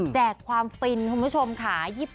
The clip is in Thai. แจกความฟินคุณผู้ชมค่ะ